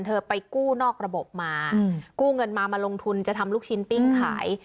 ไปกู้นอกระบบมากู้เงินมามาลงทุนจะทำลูกชิ้นปิ้งขาย